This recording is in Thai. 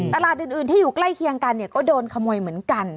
ตลาดอื่นที่อยู่ใกล้เคียงกันเนี่ยก็โดนขโมยเหมือนกัน